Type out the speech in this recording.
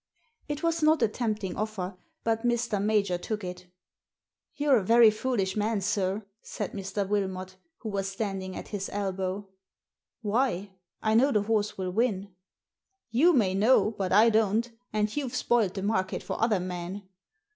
It was not a tempting offer, but Mr. Major took it " You're a very foolish man, sir," said Mr. Wilmot, who was standing at his elbow. Why? I know the horse will win." " You may know, but I don't, and you've spoilt the market for other men."